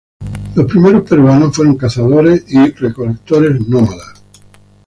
Los primeros peruanos fueron cazadores y recolectores nómadas.